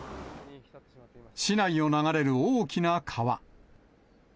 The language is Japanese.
市内を流れる大きな川。